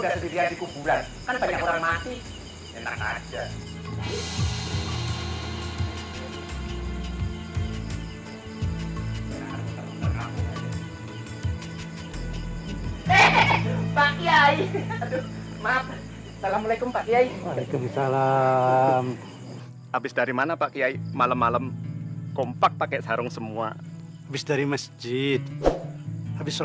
habis dari mana pak kiai malam malam kompak pakai sarung semua habis dari masjid habis